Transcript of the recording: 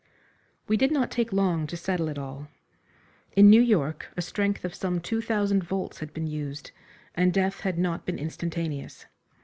We did not take long to settle it all. In New York a strength of some two thousand volts had been used, and death had not been instantaneous.